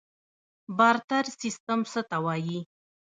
بارتر سیستم څه ته وایي؟